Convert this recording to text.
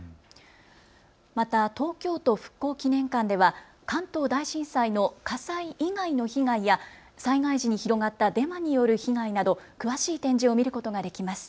また東京都復興記念館では関東大震災の火災以外の被害や災害時に広がったデマによる被害など詳しい展示を見ることができます。